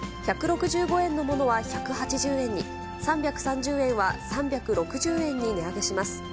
１６５円のものは１８０円に、３３０円は３６０円に値上げします。